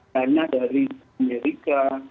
hanya dari amerika